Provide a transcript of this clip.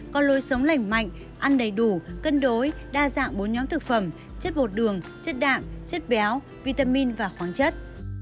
có lối sống lành mạnh ăn đầy đủ cân đối đa dạng bốn nhóm thực phẩm chất bột đường chất đạm chất béo vitamin và khoáng chất